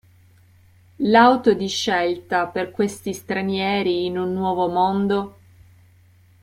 L'auto di scelta per questi stranieri in un nuovo mondo?